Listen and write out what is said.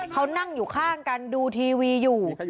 เขานั่งอยู่ข้างกันดูทีวีอยู่